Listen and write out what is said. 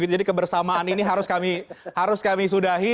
kebersamaan ini harus kami sudahi